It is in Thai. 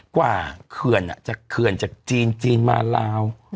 กว่าเขื่อนจากเขื่อนจากจีนจีนมาลาว